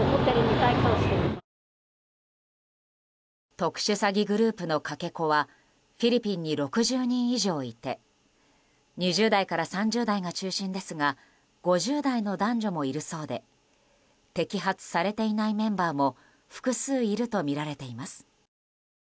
特殊詐欺グループのかけ子はフィリピンに６０人以上いて２０代から３０代が中心ですが５０代の男女もいるそうで摘発されていないメンバーも複数いるとみられています。